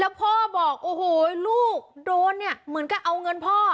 พ่อบอกโอ้โหลูกโดนเนี่ยเหมือนกับเอาเงินพ่อ